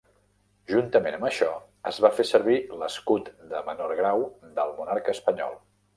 Juntament amb això, es va fer servir l'escut de menor grau del monarca espanyol.